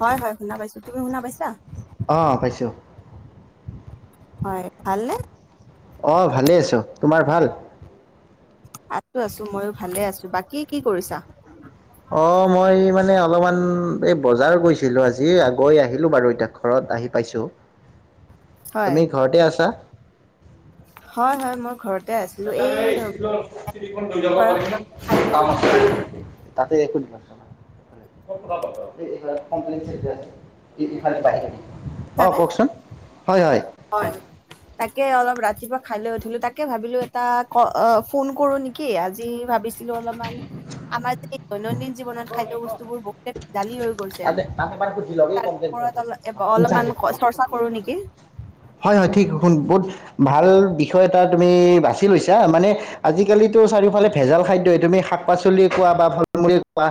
হয়, হয়, শুনা পাইছো, তুমি শুনা পাইছা? অ', পাইছোঁ। হয়, ভালনে? অ', ভালেই আছো, তোমাৰ ভাল? আছো, আছো, মইও ভালে আছো, বাকী কি কৰিছা? অ', মই, মানে অলপমান এই বজাৰ গৈছিলো আজি, গৈ আহিলো বাৰু এতিয়া। ঘৰত আহি পাইছোঁ, হয় তুমি ঘৰতে আছা? হয়, হয়, মই ঘৰত। [unintelligible] দুপৰ খাই লৈ উঠিলো আৰু তাতে একো [unintelligible] [unintelligible] অ', বুজিছানে কওকচোন, হয়, হয়। হয়, তাকে অলপ ৰাতিপুৱা খাই লৈ উঠিলো, তাকে ভাবিলো এটা ফোন কৰো নেকি? কি, আজি ভাবিছিলো অলপমান, আমাৰ যে দৈনন্দিন জীৱনত, খাদ্য বস্তুবোৰ বহুতে জালি হৈ গৈছে, তাতে তাতে এবাৰ সুধি লওক এই তাৰ কমপ্লেইন ওপৰত, চেণ্টাৰত। অলপ, অলপ ইনচাৰ্জ মান, চৰ্চা কৰো নেকি? হয়, হয়, ঠিক, শুন বহুত ভাল বিষয় এটা, তুমি বাছি লৈছা মানে আজিকালিতো, চাৰিফালে ভেজাল খাদ্যয়, তুমি শাক-পাচলি কোৱা বা ফল-মূলে কোৱা,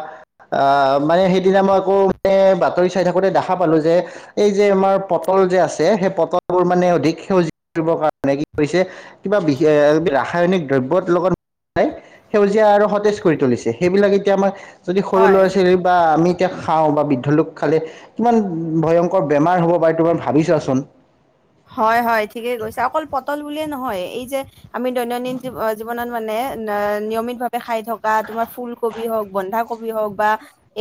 আহ মানে সেইদিনা মই আকৌ যে, বাতৰি চাই থাকোতে দেখা পালো যে এই যে, আমাৰ পটল যে আছে, সেই পটলবোৰ মানে অধিক সেউজীয়া কৰিবৰ কাৰণে কি কৰিছে কিবা বিশেষ, ৰাসায়নিক দ্ৰব্যৰ লগত মিলাই সেউজীয়া আৰু সতেজ কৰি তুলিছে, সেইবিলাক এতিয়া, আমাৰ যদি সৰু হয় ল'ৰা-ছোৱালী বা আমি এতিয়া খাওঁ বা, বৃদ্ধলোক খালে কিমান ভয়ংকৰ বেমাৰ হ'ব পাৰে, তোমাৰ ভাবি চোৱাচোন। হয়, হয়, ঠিকে কৈছা, অকল পটল বুলিয়ে নহয়, এই যে আমি দৈনন্দিন জীৱ, জীৱনত মানে, নিয়মিতভাৱে খাই থকা তোমাৰ ফুলকবি হওক, বন্ধাক কবি হওক বা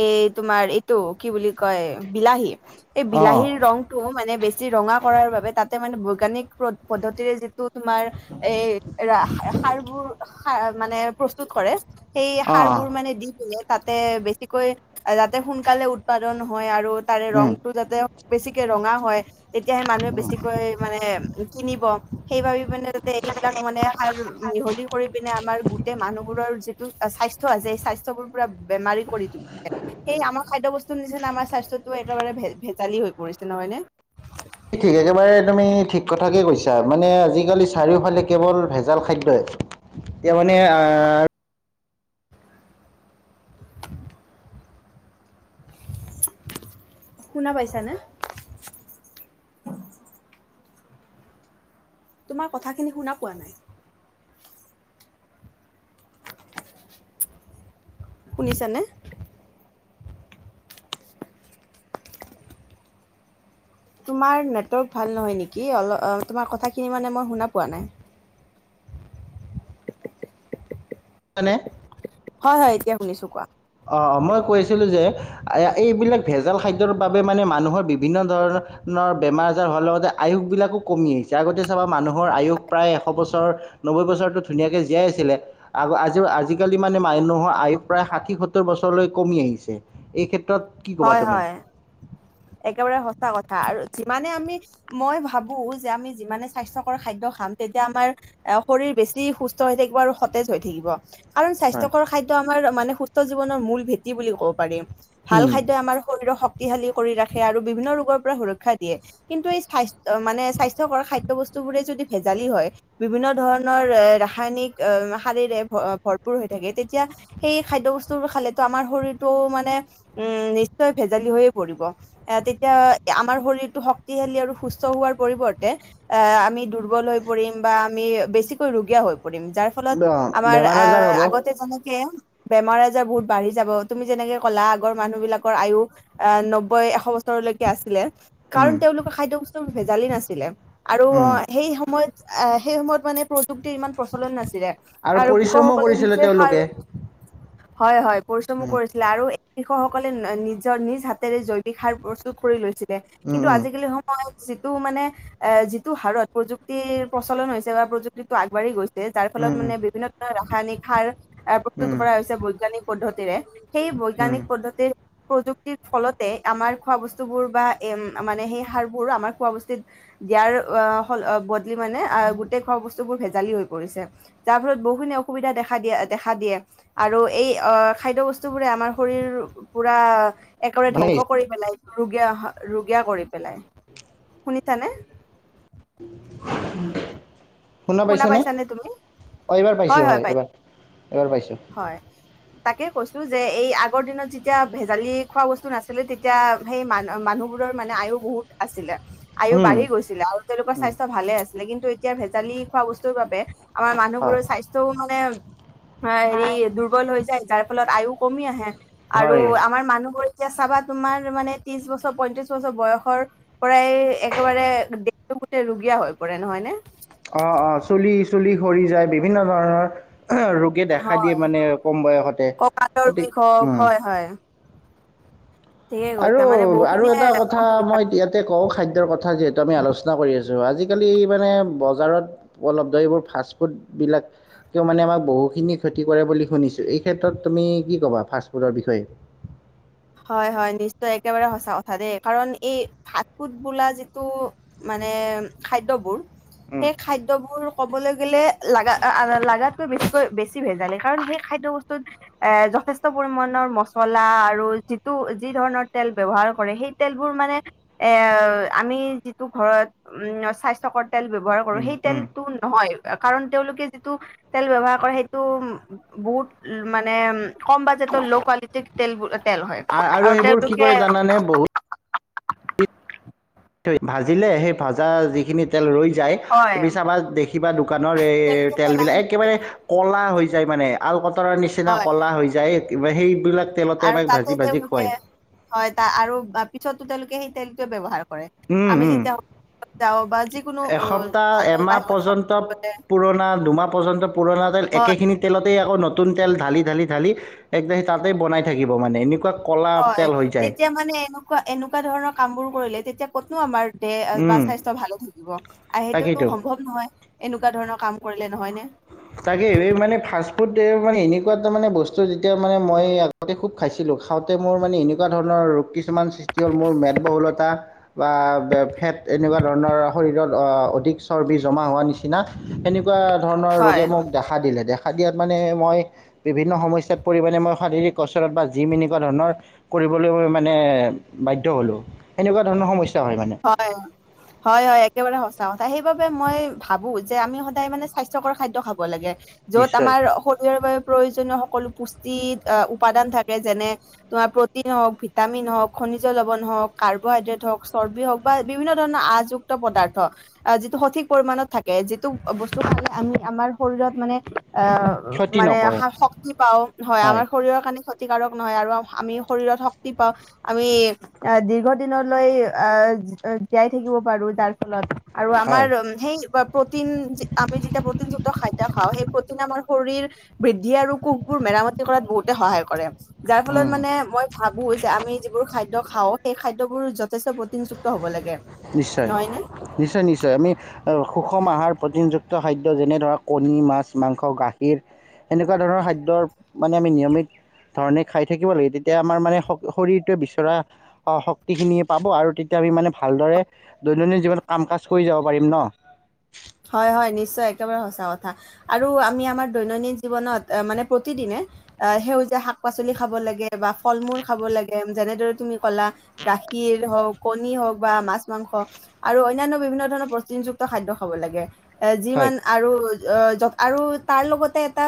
এই তোমাৰ এইটো কি বুলি কয় বিলাহী এই বিলাহীৰ অ ৰংতটো মানে বেছি ৰঙা কৰাৰ বাবে তাতে মানে বৈ্ঞানিক প পদ্ধতিৰে যিটো তোমাৰ এই সাৰবোৰ মানে প্ৰস্তুত কৰে সেই অ', সাৰবোৰ মানে দি দলে তাতে বেছিকৈ যাতে সোনকালে উৎপাদন হয় আৰু তাৰে ৰং উম। টো যাতে বেছিকে ৰঙা হয় তেতিয়াহে মানুহে বেছি কৈ মানে কিনিব সেইবাব মানোতে এইবিলাক মানে সাৰ মিহলি কৰি পিনে আমাৰ গোটেই মানুহবোৰৰ যিটো স্বাস্থ্য আছে সেই স্বাস্থ্যবোৰ পুৰা বেমাৰী কৰি ত সেই আমাৰ খাদ্য বস্তুৰ নিচিনা আমাৰ স্বাস্থ্যটো একেবাৰে ভে ভেজালি হৈ পৰিছে নহয় নে? ঠিক একেবাৰে তুমি ঠিক কথাকে কৈছা মানে আজিকালি চাৰিওফালে কেৱল ভেজাল খাদ্যই। এতিয়া মানে আ। শুনা পাইছানে? তোমাৰ কথাখিনি শুনা পোৱা নাই। শুনিছানে? তোমাৰ নেটৱৰ্ক ভাল নহয় নেকি অল তোমাৰ কথাখিনি মানে মই শুনা পোৱা নাই। হয়নে? হয় হয় এতিয়া শুনিছো কোৱা। অ' মই কৈছিলোঁ যে এ এইবিলাক ভেজাল খাদ্যৰ বাবে মানে মানুহৰ বিভিন্ন ধৰণৰ। আপোনাৰ বেমাৰ আজাৰ হোৱাৰ লগতে আয়ুসবিলাকো কমি আহিছে আগতে চাবা মানুহৰ আয়ুস প্ৰায় এশ বছৰ। নব্বৈ বছৰৰতো ধুনীয়াকে জীয়াই আছিলে আ আজি আজিকালি মানে মানুহৰ আয়ু প্ৰায় ষাঠি সত সত্তৰ বছৰলৈ কমি আহিছে এই ক্ষেত্ৰত। কি ক'বা হয় তুমি? হয় একেবাৰে সঁচা কথা আৰু যিমানে আমি। মই ভাবো যে আমি যিমানে স্বাস্থ্যকৰ খাদ্য খাম তেতিয়া আমাৰ। আ শৰীৰ বেছি সুস্থ হৈ থাকিব আৰু সতেজ হৈ থাকিব। কাৰণ হয়, স্বাস্থ্যকৰ খাদ্য আমাৰ মানে সুস্থ জীৱনৰ মূল ভেঁটি বুলি ক'ব পাৰি, ভাল উম, খাদ্য‌ই আমাৰ। শৰীৰক শক্তিশালী কৰি ৰাখে আৰু বিভিন্ন ৰোগৰ পৰা সুৰক্ষা দিয়ে। কিন্তু এই স্বাস্থ্য মানে স্বাস্থ্যকৰ খাদ্য বস্তু বোৰে যদি ভেজালি হয়। বিভিন্ন ধৰণৰ এ ৰাসায়নিক সাৰেৰে ভৰ ভৰপুৰ হৈ থাকে তেতিয়া। সেই খাদ্যবস্তুবোৰ খালেতো আমাৰ শৰীৰটো মানে উম নিশ্চয় ভেজালি হৈ। কৰিব, তেতিয়া আমাৰ শৰীৰটো শক্তিশালী আৰু সুস্থ হোৱাৰ পৰিৱৰ্তে। এ আমি দুৰ্বল হৈ পৰিম বা আমি বেছিকৈ ৰুগীয়া হৈ পৰিম যাৰ। ফলত অ', আমাৰ বেমাৰ আ আজাৰ হ'ব, আগতে যেনেকে। বেমাৰ আজাৰ বহুত বাঢ়ি যাব, তুমি যেনেকে ক'লা আগৰ মানুহ বিলাকৰ আয়ুস এ নব্বৈ এশ বছৰ। বছৰলৈকে আছিলে কাৰণ উম। তেওঁলোকৰ খাদ্য বস্তু ভেজালি নাছিলে আৰু উম সেই সময়ত। এ সেই সময়ত মানে প্ৰযুক্তিৰ ইমান প্ৰচলন নাছিলে আৰু পৰিশ্ৰমো কৃষকসকলে কৰিছিলে নিজে সাৰ। তেওঁলোকে হয় হয় পৰিশ্ৰমো উম কৰিছিলে আৰু এই কৃষকসকলে নিজৰ নিজ হাত। হাতেৰে জৈৱিক সাৰ প্ৰস্তুত কৰি লৈছিলে উম কিন্তু উম আজিকালি সম। সময়ত যিটো মানে এ যিটো হাৰত প্ৰযুক্তিৰ প্ৰচলন হৈছে বা প্ৰযুক্তিটো আগবাঢ়ি গৈছে। যাৰ ফলত উম উম মানে বিভিন্ন। ৰাসায়নিক সাৰ আ প্ৰস্তুত উম কৰা হৈছে বৈজ্ঞানিক পদ্ধতিৰে সেই উম বৈজ্ঞানিক পদ্ধতিৰ। প্ৰযুক্তিৰ ফলতে আমাৰ খোৱা বস্তু বোৰ বা এ মানে সেই সাৰবোৰ আমাৰ খোৱা বস্তুত। দিয়াৰ সল বদলি মানে আ গোটেই খোৱা বস্তুবোৰ ভেজালি হৈ পৰিছে। যাৰ ফলত বহুখিনি অসুবিধা দেখা দিয়া দেখা দিয়ে। আৰু এই আ খাদ্য বস্তু বোৰে আমাৰ শৰীৰ পুৰা। একেবাৰে ভালে ধ্বংস আহিছে কৰি পেলাই ৰুগীয়া-ৰুগীয়া কৰি পেলাই, শুনিছানে? শুনা পাইছনে? পাইছানে তুমি অ', এইবাৰ পাইছো হয় এইবাৰ। এইবাৰ পাইছোঁ। হয়, তাকে কৈছো যে এই আগৰ দিনত যেতিয়া ভেজালি খোৱা বস্তু নাছিলে তেতিয়া। সেই মানু-মানুহবোৰৰ মানে আয়ু বহুত আছিলে। আয়ু উম বাঢ়ি গৈছিলে আৰু তেওঁলোকৰ উম স্বাস্থ্য ভালে আছিলে, কিন্তু এতিয়া ভেজালি খোৱা বস্তুৰ বাবে- আমাৰ হয় মানুহবোৰৰ স্বাস্থ্যও মানে- অ', হেৰি দুৰ্বল হৈ যায় তাৰ ফলত আয়ু কমি আহে, আৰু হয় আমাৰ মানুহবোৰ। এতিয়া চাবা তোমাৰ মানে ত্ৰিশ বছৰ পয়ত্ৰিশ বছৰ বয়সৰ- পৰাই একেবাৰে দেহটো গোটেই ৰুগীয়া হৈ পৰে নহয় নে? অ', - অ', চুলি -চুলি সৰি যায় বিভিন্ন ধৰণৰ, ৰোগ- দেখা দিয়ে হয়। মানে কম বয়সতে, কঁকালৰ বিষ গতিকে, হওক অঁহ',। হয় হয়। ঠিকে কৈছা আৰু মানে আৰু বহুখিনিয়ে এটা কথা অসুবিধা মই এইয়া তে কওঁ, খাদ্যৰ কথা যিহেতু আমি আলোচনা কৰি আছো আজিকালি মানে বজাৰত- উপলব্ধ এইবোৰ ফাষ্ট ফুড বিলাক- কিয় মানে আমাক বহুখিনি ক্ষতি কৰে বুলি শুনিছোঁ, এই ক্ষেত্ৰত তুমি কি ক'বা ফাষ্টফুডৰ বিষয়ে? হয়-হয় নিশ্চয় একেবাৰে সঁচা কথা দেই, কাৰণ এই ফাষ্ট ফুড বোলা যিটো- মানে খাদ্যবোৰ, উম, সেই খাদ্যবোৰ ক কবলৈ গেলে লা-লাগাতকৈ বেছিকৈ বেছি ভেজালে কাৰণ সেই খাদ্যয় বস্তুত- এ যথেষ্ট পৰিমণৰ মচলা আৰু- যিটো যি ধৰণৰ তেল ব্যৱহাৰ কৰে সেই তেলবোৰ মানে এ আমি যিটো ঘৰত, উম, স্বাস্থ্যকৰ- তেল ব্যৱহাৰ কৰো উম, সেই উম। তেলটো নহয়, কাৰণ তেওঁলোকে যিটো তেল ব্যৱহাৰ কৰে সেইটো বহুত মানে উম কম বাজেটৰ ল' কোৱালিটিৰ তেলবোৰ-তেল হয়। আ- আৰু সেইবোৰ কি কৰে জানানে? বহুত ভাজিলে সেই ভাজা যিখিনি- তেল ৰৈ যায়, হয় তুমি চাবা দেখিবা দোকানৰ তেওঁলোকে এ তেল পেলাই বিলাক নিদিয়ে একেবাৰে। ক'লা হৈ যায় মানে আল কটৰাৰ নিচিনা হয় ক'লা হৈ যায় সেইবিলাক তেলতে আৰু আমাক তাতে ভাজি ভাজি তেওঁলোকে খুৱাই। হয় তাৰ আৰু পিছতো তেওঁলোকে সেই তেলটোৱে ব্যৱহাৰ কৰে, উম, আমি উম। যেতিয়া- যাওঁ বা যিকোনো উ এসপ্তাহ এমাহ বাহিৰত খাব পৰ্যন্ত, গলে পুৰণা দুমাহ পৰ্যন্ত পুৰণা তেল- হয় একেখিনি তেলতেই আকৌ নতুন তেল ঢালি-ঢালি-ঢালি, একদম তাতেই বনাই থাকিব মানে এনেকুৱা। ক'লা হয়, তেল হৈ যায় তেতিয়া মানে এনেকুৱা এনেকুৱা ধৰণৰ কাম বোৰ কৰিলে তেতিয়া কতনো আমাৰ- দেহ বা উম, স্বাস্থ্য ভালে থাকিব, আৰু সেইটো তাকেইতো সম্ভৱ নহয়। এনেকুৱা ধৰণৰ কাম কৰিলে নহয় নে? তাকে এই মানে ফাষ্ট ফুড মানে এনেকুৱা এটা মানে বস্তু যেতিয়া মানে মই আগতে খুব খাইছিলোঁ খাওঁতে মোৰ মানে এনেকুৱা ধৰণৰ ৰোগ কিছুমান সৃষ্টি হ'ল, মোৰ মেদবহুলতাৰ। বা ফেট এনেকুৱা ধৰণৰ শৰীৰত অধিক চৰ্বি জমা হোৱাৰ নিচিনা। সেনেকুৱা ধৰণৰ ৰোগে হয় মোক দেখা দিলে দেখা দিয়াত মানে মই- বিভিন্ন সমস্যাত পৰিমাণে মই শাৰীৰিক কচৰত বা জিম এনেকুৱা ধৰণৰ- কৰিবলৈ মানে বাধ্য হ'লো, সেনেকুৱা ধৰণৰ সমস্যা হয় মানে। হয় অঁহ',। হয়-হয় একেবাৰে সঁচা কথা সেইবাবে মই ভাবো যে আমি সদায় মানে স্বাস্থ্যকৰ খাদ্য খাব লাগে। য'ত নিশ্চয় আমাৰ শৰীৰৰ বাবে প্ৰয়োজনীয় সকলো পুষ্টি উপাদান থাকে যেনে- তোমাৰ প্ৰটিন হওক, ভিটামিন হওক, খনিজ লৱণ হওক, কাৰ্বহাইড্ৰেট হওক চৰ্বি হওক বা বিভিন্ন ধৰণৰ আযুক্ত পদাৰ্থ। আহ যিটো সঠিক পৰিমানণত থাকে, যিটো বস্তু খালে আমি আমাৰ শৰীৰত মানে আহ ক্ষতি মানে নকৰে শক্তি পাও হয়, আমাৰ শৰীৰ কাৰণে ক্ষতিকাৰক নহয়, আৰু আমি শৰীৰত শক্তি পাওঁ। আমি দীৰ্ঘদিনলৈ আহ জীয়াই থাকিব পাৰো, যাৰ ফলত আৰু আমাৰ হয় সেই প্ৰটিন আমি যেতিয়া প্ৰটিনযুক্ত খাদ্য খাওঁ, সেই প্ৰটিন আৰু শৰীৰ বৃদ্ধি আৰু কোষবোৰ মেৰামতি কৰাত বহুতে সহায় কৰে। যাৰ ফলত মানে মই ভাবো যে, আমি যিবোৰ খাদ্য খাওঁ সেই খাদ্যবোৰ যথেষ্ট প্ৰটিনযুক্ত হ'ব লাগে, নিশ্চয় নহয় নে? নিশ্চয় নিশ্চয় আমি সুষম আহাৰ প্ৰটিনযুক্ত খাদ্য যেনে ধৰক কণী, মাছ, মাংস, গাখীৰ এনেকুৱা ধৰণৰ খাদ্যৰ মানে আমি নিয়মিত ধৰণে খাই থাকিব লাগে। তেতিয়া আমাৰ মানে, শ-শৰীৰটোৱে বিচৰা, শক্তিখিনিয়ে পাব। আৰু তেতিয়া আমি মানে ভালদৰে, দৈনন্দিন জীৱনত, কাম কাজ কৰি যাব পাৰিম ন'! হয়, হয়, নিশ্চয়, একেবাৰে সঁচা কথা। আৰু আমি আমাৰ দৈনন্দিন জীৱনত, মানে প্ৰতিদিনে আহ, সেউজীয়া শাক-পাচলি খাব লাগে, বা ফল-মূল খাব লাগে, যেনেদৰে তুমি ক'লা। গাখীৰ হওঁক, কণী হওক বা মাছ মাংস, আৰু অন্যান্য বিভিন্ন ধৰণৰ প্ৰতিযুক্ত খাদ্য। হ'ব লাগে। এ হয় যিমান আৰু, অ', আৰু তাৰ লগতে, এটা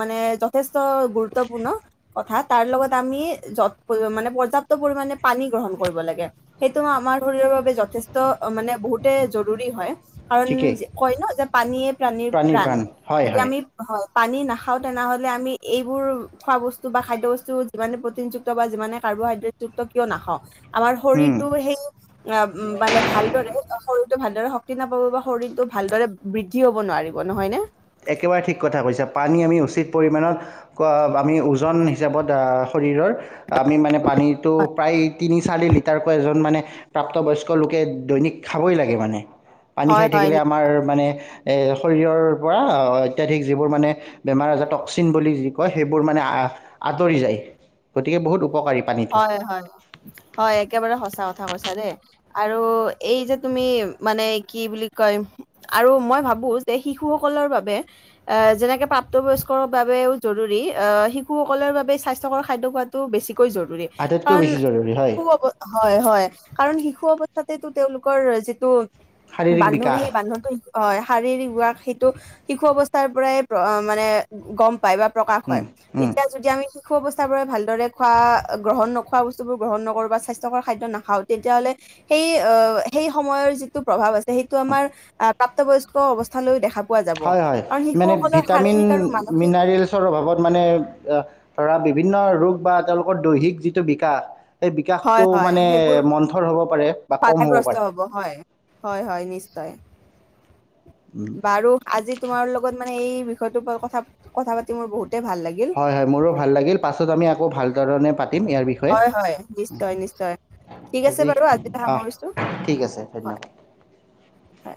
মানে যথেষ্ট গুৰুত্বপূৰ্ণ কথা, তাৰ লগত আমি যত, মানে পৰ্যাপ্ত পৰিমানে পানী, গ্ৰহণ কৰিব লাগে। সেইটো আমাৰ শৰীৰৰ বাবে যথেষ্ট, মানে বহুতে জৰুৰী হয়। কাৰণ, ঠিকেই কয় ন' যে পানীয়ে প্ৰাণীৰ প্ৰাণ। যেতিয়া আমি হয়, পানী নাখাও তেনেহলে আমি এইবোৰ, খোৱা বস্তু বা খাদ্য বস্তু যিমানে প্ৰটিনযুক্ত বা যিমানে কাৰ্বহাইড্ৰেট যুক্ত, কিয় নাখাও। আমাৰ উম শৰীৰটো সেই, মানে ভালদৰে, শৰীৰতটো ভালদৰে শক্তি নাপাব বা শৰীৰতটো ভালদৰে, বৃদ্ধি হব নোৱাৰিব নহয় নে? একেবাৰে ঠিক কথা কৈছা। পানী আমি, উচিত পৰিমাণত ক আমি ওজন হিচাপত আহ শৰীৰ আমি মানে পানীটো হয় প্ৰায় তিনি চাৰি লিটাৰকৈ এজন মানে প্ৰাপ্তবয়স্ক লোকে দৈনিক খাবই লাগে মানে, পানী হয় খাই হয় থাকিলে নি- আমাৰ মানে এই শৰীৰ পৰা অতধিক যিবোৰ মানে বেমাৰ আজাৰ টক্সিন বুলি যি কয়, সেইবোৰ মানে আহ আঁতৰি যায় গতিকে বহুত উপকাৰী। পানীটো হয়-হয়, হয়, একেবাৰে সঁচা কথা কৈছা দেই। আৰু এই যে তুমি, মানে কি বুলি কয় আৰু মই ভাবো, যে শিশুসকলৰ বাবে আহ, যেনেকে প্ৰাপ্তবয়স্কৰ বাবেও জৰুৰী। আহ, শিশুসকলৰ বাবে, স্বাস্থ্যকৰ খাদ্য খোৱা টো বেছিকৈ জৰুৰী। আটাইতকৈ কাৰণ, বেছি জৰুৰী হয় [unintelligible] হয়-হয়, কাৰণ শিশু অৱস্থাতেতো, তেওঁলোকৰ যিটো শাৰীৰিক বান্ধোন, বিকাশ সেই বান্ধোনটো হয়, শাৰীৰিক ৱাক সেইটো, শিশু অৱস্থাৰ পৰাই মানে, গম পায় বা প্ৰকাশ হয়। তেতিয়া যদি আমি, শিশু অৱস্থাৰ পৰাই ভালদৰে খোৱা গ্ৰহণ নোখোৱা বস্তুোবোৰ গ্ৰহণ নকৰোঁ বা স্বাস্থ্যকৰ খাদ্য নাখাওঁ, তেতিয়াহ'লে সেই অ', সেই সময়ৰ যিটো প্ৰভাৱ আছে, সেইটো আমাৰ প্ৰাপ্তবয়স্ক অৱস্থালৈ দেখা পোৱা যাব। হয় হয় কাৰণ, মানে শিশুসকলৰ ভিটামিন শাৰীৰিক আৰু মানসিক [unintelligible] অভাৱত মানে, ধৰা বিভিন্ন ৰোগ বা তেওঁলোকৰ, দৈহিক যিটো বিকাশ সেই হয় বিকাশটো হয় মানে, সেইবোৰ মন্থৰ হ'ব পাৰে বা কম হ'ব পাৰে। হয়, হয়-হয় নিশ্চয়। উম, বাৰু আজি তোমাৰ লগত মানে, এই বিষয়টোৰ পৰা কথা, কথা পাতি মোৰ বহুতে ভাল লাগিল। হয়-হয়, মোৰো ভাল লাগিল। পাছত আমি আকৌ, ভাল ধৰণে পাতিম ইয়াৰ বিষয়ে। হয় হয় নিশ্চয় নিশ্চয় [unintelligible] ঠিক আছে আজি, বাৰু আজিলৈ সামৰিছো অ', ঠিক আছে, ধন্যবাদ। হয়